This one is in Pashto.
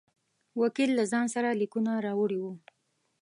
وکیل له ځان سره لیکونه راوړي وه.